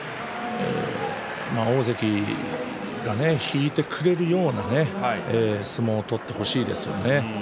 大関が引いてくれるようなそういう相撲を取ってほしいですね。